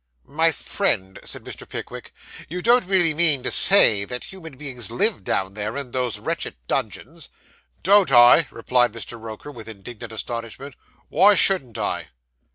'My friend,' said Mr. Pickwick, 'you don't really mean to say that human beings live down in those wretched dungeons?' 'Don't I?' replied Mr. Roker, with indignant astonishment; 'why shouldn't I?